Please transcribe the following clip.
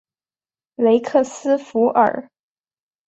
雷克斯弗尔。